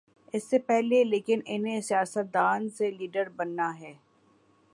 اس سے پہلے لیکن انہیں سیاست دان سے لیڈر بننا ہے۔